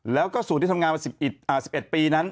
แล้วก็ศูนย์ที่ทำงานมา๑๑ปีนั้น